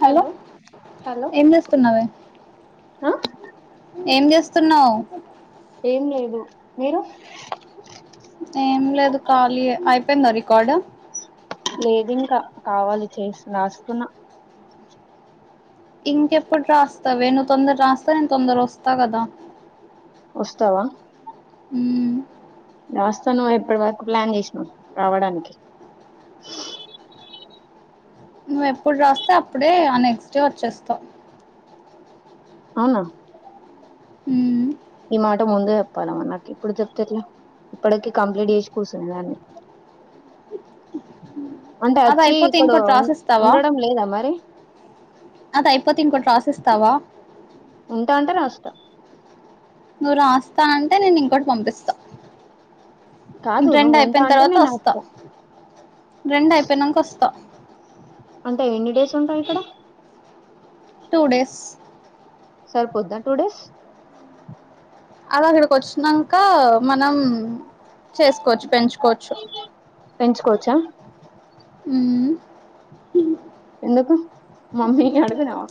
Hello hello ఏం చేస్తున్నావే హ ఏం చేస్తున్నావ్ ఏం లేదు మీరు ఐపోయిందా రికార్డ్ లేదు ఇంకా కావాలి చేస్ రాస్తున్నా ఇంకెప్పుడు రాస్తావే నువ్ తొందరాస్తే నేను తొందర వస్తా కదా ఓస్తావా హు మ్ వస్తా నువ్ ఎప్పటి వరకు ప్లాన్ చేస్నావ్ రావడానికి నువ్వెప్పుడ్ రాస్తే అప్పుడే ఆ నెక్స్ట్ డే వచ్చేస్తా అవునా ఉమ్ ఈ మాట ముందే చెప్పాలే మరి నాకిప్పుడు చెప్తేట్లా ఇప్పటికీ కంప్లీంట్ చేసి కూసుందును అన్ని [unintelligible] అదైపోతె ఇక్కడ ఇంకొట్ ఉం- రాసిస్తావా ఉండడం లేదా మరి అదైపోతె ఇంకొట్ రాసిస్ త్తవా ఉంటా అంటే రషిత్త నువ్ రాస్తా అంటే నేనింకోటి పంపిస్తా కాదు నువ్వు ఉంటా అంటే రెండయిపోయిన్తర్వాత నేను ఓస్తా రాస్తా రెండయిపోయినాంక ఒస్తా అంటే ఎన్ని డేస్ ఉంటావ్ ఇక్కడ టూ డేస్ సర్పోద్దా టూ డేస్ అ అక్కడ్కోచ్ఛినంక మనం చేస్కోచ్చ్ పెంచుకోచ్చు పెంచుకోచ్చా హు మ్ ఎందుకు మమ్మీ ని అడిగినావా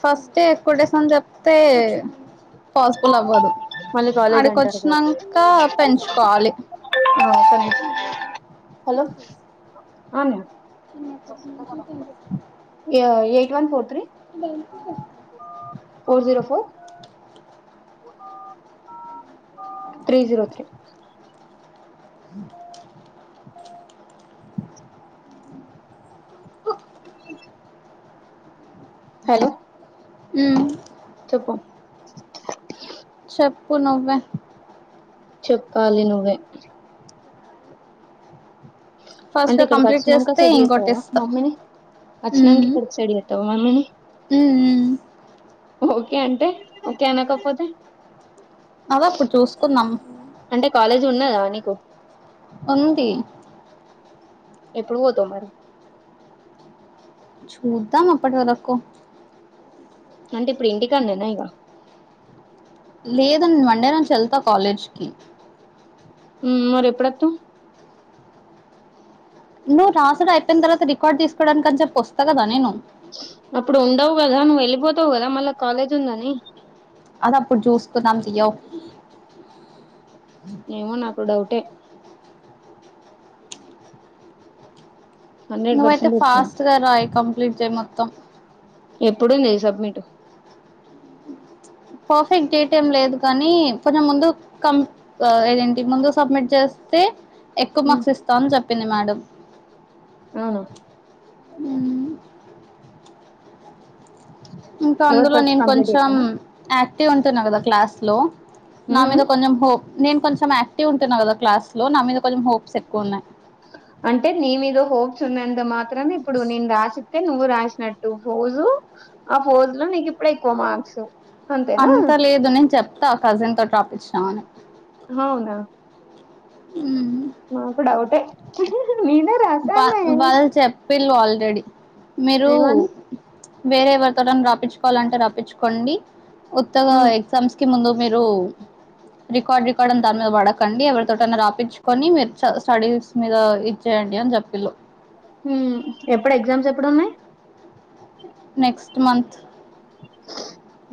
ఫస్టె ఎక్కువ్ డేస్ అన్ చెప్తే పాస్బుల్ అవ్వదు మళ్ళీ కాలేజ్ అంటారు కావచ్చు అడికోచ్చ్నాంక పెంచ్కోవాలి ఆ హలో అ అన్య ఇగో ఎయిట్ వన్ ఫోర్ త్రీ బ [unintelligible] four zero four three zero three ఉ హలో హు మ్ చెప్పు చెప్పు నువ్వే చెప్పాలి నువ్వే ఫస్ట్ అంటే గా కంప్లీట్ ఇక్కడికోచ్చినాంక చేస్తే సెడ్ ఇంకోటి జెతావా ఇస్తా మమ్మిని అచ్నంక్ ఉమ్ ఇక్కడ డిసైడ్జేత్తవ మమ్మిని ఉమ్ ఉమ్ ఓకే అంటే ఓకే అనకపోతే అదప్పుడ్ చూస్కునాం అంటే కాలేజ్ ఉన్నదా నీకు ఉంది ఎపుడు పోతావ్ మరి చూద్దాం అప్పట్ వరకు అంటే ఇప్పుడ్ ఇంటికాన్నే ఇగ లేదం మండే నాంచెళ్తా కాలేజ్కిి ఉ మరి ఎప్పుడత్తవ్ నువ్వు రాసుడైపోయిన తర్వాత రికార్డ్ తీసుకోవడానికాని అని చెప్పి వస్తా కదా నేను పోతావ్ కదా మల్ల కలేజ్ ఉందిని అదప్పుడు చూసుకుందం తియ్యో ఏమో నాకు డౌటే హండ్రెడ్ నువ్వయితే పర్సెంట్ చెప్తాను ఫాస్ట్ గా రాయి కంప్లీట్ చేయి మొత్తం ఎప్పుడుంది సబ్మిట్ పర్ఫెక్ట్ డేట్ ఏం లేదు కానీ కొంచం ముందు కమ్ ఏదేంటి ముందు సబ్మిట్ చేస్తే ఎక్కువ మార్క్స్ ఇస్తామని చెప్పింది మేడం అవున ఉమ్ ఇంకా ఎవరు అందులో ఫస్ట్ నేను కంప్లీట్ కొంచెం అక్ టీవ్ ఉంటున్నా కదా క్లాస్ లో నా చేస్తున్నారు మీద కొంచెం హోప్ నేను కొంచెం యాక్టివ్ ఉంటున కదా క్లాస్ లో నా మీద కొంచెం హోప్స్ ఎక్కువ ఉన్నాయి అంటే నీ మీద హోప్స్ ఉన్నంత మాత్రనా ఇప్పుడు నేను రాసిస్తే నువ్ నువ్ రాసినట్టు ఫోజు ఆ ఫోజు లో నీకు ఇప్పుడు ఎక్కువ మార్క్స్ అంతేనా అంత లేదు నేను చెప్తా కజిన్ తో రాపించిన అని అవునా ఉమ్ నాకు డౌటే వా రాసామే వాళ్ళు చెప్పిన్లు ఆల్రెడీ మీరు ఏమని వేరే ఎవరితో రాప్పించుకోవాలంటే రప్పించుకోండి ఉత్తగా ఉమ్ ఎగ్జామ్స్ కి ముందు మీరు రికార్డ్ రికార్డ్ అని దాని మీద పడకండి ఎవరి తోటైనా రాపించుకొని మీరు స్టడీస్ మీద ఇచ్చేయండి అని చెప్ ఉహుమ్ ఎప్పుడు ఎగ్జామ్స్ ఎప్పుడు ఉన్నాయి నెక్స్ట్ మంత్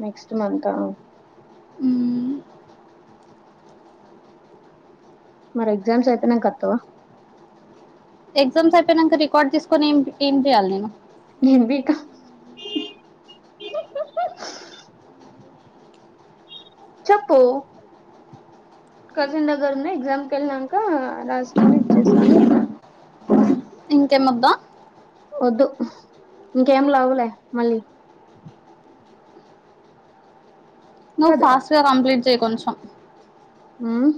నెక్స్ట్ మంత్ ఆ ఉమ్ మరి ఎగ్జామ్స్ అయిపోనక వత్వా ఎగ్జామ్స్ అయిపోయినాక రికార్డ్ తీసుకొని ఏం ఏం చేయాలి నేను నేను బికా చెప్పు కజిన్ దగర్ఉనాయి ఎక్జామ్ కెల్నాంక రాస్కోని ఇచ్చేస్తా అన్ని చెప్పు ఏమోద వద్దు ఇంకేం లవులే మళ్ళీ నువ్వు కదరా ఫాస్టుగా కంప్లీట్ చేయి కొంచం ఉమ్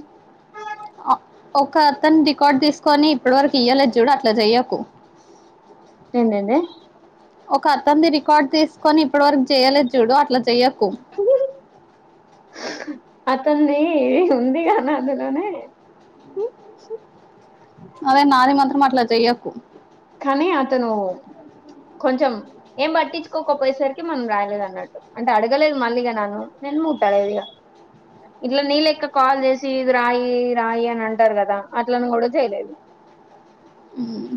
అ ఒక అతను రికార్డు తీసుకొని ఇప్పటి వరకు ఇయ్యాలేదు చూడు అట్లా చెయ్యకు ఎందెంది ఒక అత్తంది రికార్డ్ తీసుకొని ఇప్పట్ వరకు చేయాలలేదు చూడు అట్లా చే అతన్ ది ఉందిగానీ అందులోనే అదే నాది మాత్రం అట్లా జయ్యాకు కానీ అతను కొంచెం ఏం పట్టించుకోకపోయేసరికి మనం రాలేదు అన్నట్టు అంటే అడగలేదు మళ్ళీగాన్నాను నేన్ చాలా ఈజీ గ ఇట్ల నీలెక్క కాల్ జేసి ఇది రాయి రాయి అని అంటారు కదా అట్లను కూడా జేయలేదు మ్మ్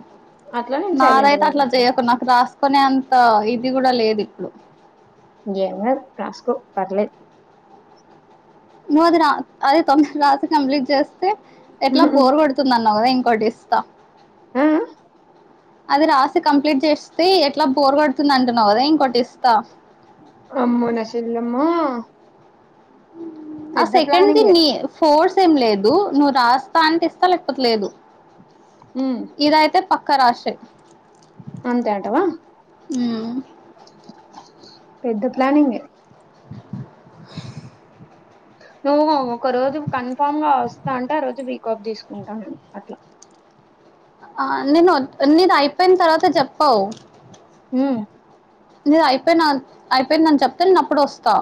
అట్లా నేను సైలెంట్ నాదయితే అట్లా జేయకు నాక్ రాస్ కోనేంత ఇది గూడా లేదు ఇప్పుడు ఎంగాద్ రాస్కో పర్లేద్ నువ్వు ఆది రా అది తొందర్ రాస్ కంప్లీట్ జేస్తే ఎట్లా పోరు గొడుతుంది అన్నావు గదా ఇంక్ కోడిస్తా ఉ ఉ అది రాసి కంప్లీట్ జేస్తే ఎట్లా బోర్ గోడుతుంది అంటున్నావు గదా ఇంక అమ్మో నషిల్లలమ్మో ఆ సెకెందినీ ఫోర్స్ ఏం లేదు నువ్వు రాస్తా అంటే ఇస్త లేకపోతే లేదు. ఉమ్, ఇదైతే పక్క రాషే అంతే అంటవ ఉమ్ పెద్ద ప్లానింగే నువ్వు ఒక రోజు కన్ఫామ్ గా ఒస్తా అంటే, ఆరోజు వీకాఫ్ దిసుకుంటాం అట్లా ఆ నేను అయిపోయిన తర్వాత జెప్పవ్. మ్మ్ నేదైయిపోయినా అయిపోయిందన్ చేప్తే నేనప్పుడు ఒస్తా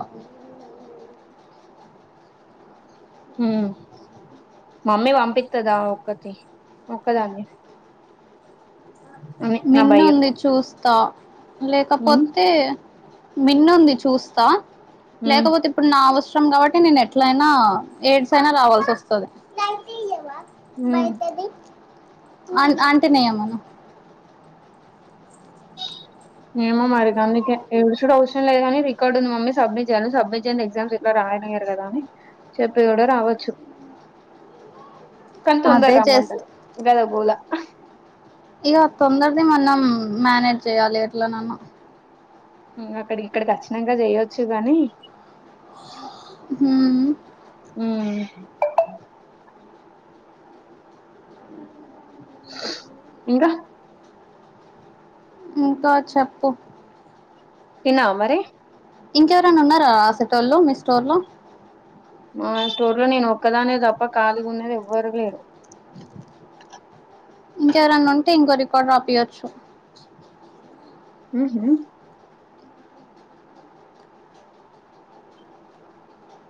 మ్మ్ మమ్మీ వంపిస్తదా ఒక్కటి ఒక్కదాన్ని అని నా మిన్ను భయం ఉంది చూస్తా ఉమ్ లేకపోతే మిన్నుంది చూస్తా ఉమ్ లేకవోతే ఇప్పుడు నా అవస్ అవసరం గావట్టి నేన్ ఏట్లయినా ఎయిడ్స్ అయినా రావాల్సి వస్తది. ఉమ్ అంట్ అంటినయమో ఏమో మరిగందుకే యెషుడు అవసరం లేదని రికార్డ్ ఉంది. మమ్మీ సబ్మిట్ జేయాలను సబ్మిట్ జెయండి ఎగ్జామ్స్ ఏట్లా రాల రాయనీయ్యర్ గద అని చెప్పిగుడా రావచ్చు. కానీ తొందర అదే చేస్త్ రమ్మంటది గద గోల ఇగా తొందరనే మనం మానేజ్ జేయ్యాలి ఎట్ల నన్న మ్మ్ అక్కడికి ఇక్కడికి ఓచ్చినంక చేయొచ్చు గానీ మ్మ్ మ్మ్ ఇంకా ఇంకా చెప్పు తిన్నావమరే ఇంకెవరేన్నా ఉన్నారా ఆసేటోల్లో మీ స్టోర్ లో మా స్టోర్ లో నేను ఒక్కదాన్నే దప్ప కాలిగున్నది ఎవ్వరు లేరు. ఇంకెవరన్నా ఉంటే ఇంకో రికార్డురాపియ్యొచ్చు. మ్మ్ హ్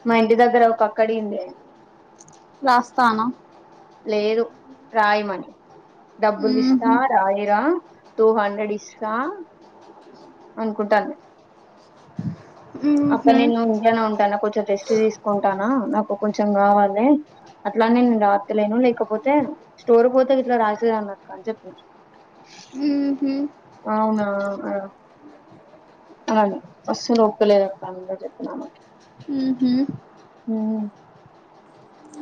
మాఇంటి దగ్గర ఒక అక్క అడిగిందే రాస్థానా లేదు రాయిమని డబ్బుల్ ఇస్తా ఊహు రాయిరా టూ హండ్రెడ్ ఇస్తా అన్కుంటాన్ద్ అబ్బ ఊహు నేను ఇంట్లనే ఉంట నా కొంచెం టెస్ట్ తీసుకుంటాన నాకొ కొంచెం గావాలే అట్లానేే నేన్ రాతలేను లేకపోతే స్టోర్ కి పోతేగి ఇట్ల రాసేదాన్నక్క అని జేప్పు ఊహు అవును అస్సలు ఓపికలేద్ ఆమెతో చెప్పినానని ఊహు ఊ అ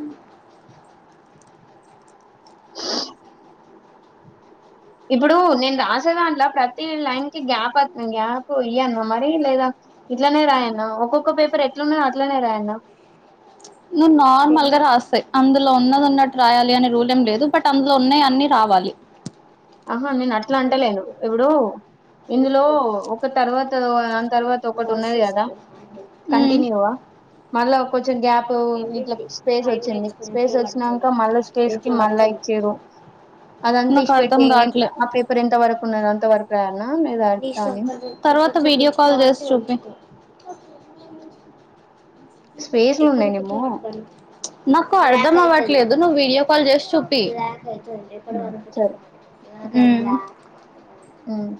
ఇప్పుడ్ రాసేదంట్ల ప్రతి లైన్ కి గ్యాప్ అత్త గ్యాప్ ఇయ్యన్నా మరి లేదా ఇట్లనే రాయన్న ఒక్కొక్క పేపర్ ఎట్లాన్నాది అట్లనే రాయన్న నువ్ నార్మల్ గా రాస్తాయి అందులో ఉన్నది ఉన్నట్టు రాయాలి అని రూల్ ఏం లేదు బట్ అందులో ఉన్నాయి అన్ని రా వాలి ఆహా నేను అట్లా అంటలేను ఇప్పుడు ఇందులో ఒక తర్వాత తర్వాత ఒకటి ఉన్నది కదా ఉమ్ కంటిన్యూవా మళ్ళా కొంచెం గ్యాప్ ఇట్లా స్పేస్ ఒచ్చింది స్పేస్ ఒచ్చినంక మళ్ళా స్పేస్ కి మళ్ళా ఇచ్చిరు అదంత నాకు అర్థం ఇష్టపెట్టెయ్ న్ కావట్లే ఆ పేపర్ ఎంత వరకు ఉన్నదో అంత వరకు రాయల్ తర్వాత వీడియో కాల్ చేసి చుపియ్ స్పేస్ లో ఉన్నాయి నిమో నాకు అర్ధం అవ్వట్లేదు నువ్ వీడియో కాల్ చేస్ చూపియ్ ఉమ్ సరే ఊమ్ ఉమ్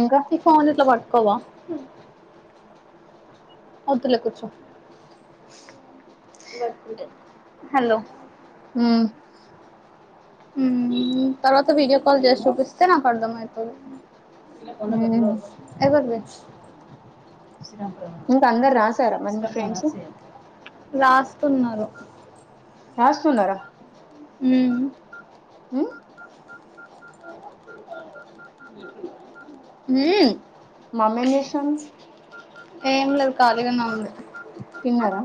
ఇంకా ఇ ఫోన్ ఇట్లా పట్టుకోవా ఒద్దులే కూచో హలో ఉమ్ తర్వాత వీడియో కాల్ చేసి చూపిస్తే నాకు అర్ధం అయితది ఉమ్ ఎవరిది ఇంక అందరు రాసారా మరీ మీ ఫ్రెండ్స్ రాస్తున్నారు రాస్తున్నారా ఊమ్ ఉమ్ ఊమ్ మమ్మీ ఏంచేస్తున్ ఏమ్ లేద్ కాలిగానే ఉంది తిన్నరా